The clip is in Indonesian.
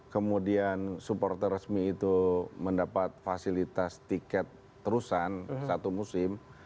kemudian supporter resmi itu mendapat fasilitas tiket terusan satu musim